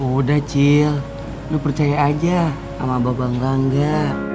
udah cil lu percaya aja sama bapak ngangga